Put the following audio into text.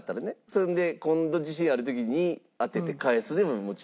それで今度自信ある時に当てて返すでももちろん。